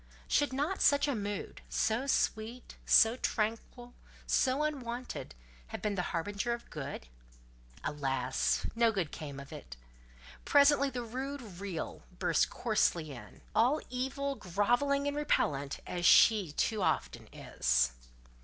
Should not such a mood, so sweet, so tranquil, so unwonted, have been the harbinger of good? Alas, no good came of it! I Presently the rude Real burst coarsely in—all evil grovelling and repellent as she too often is.